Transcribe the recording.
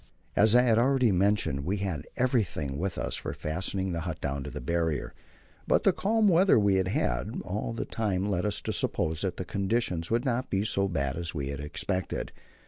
As I have already mentioned, we had everything with us for fastening the but down to the Barrier, but the calm weather we had had all the time led us to suppose that the conditions would not be so bad as we had expected.